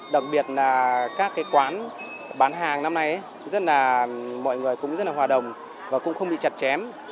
đặc biệt là các quán bán hàng năm nay mọi người cũng rất là hòa đồng và cũng không bị chặt chém